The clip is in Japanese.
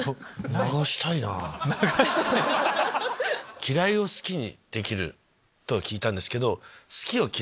流したい⁉嫌いを好きにできるとは聞いたんですけど。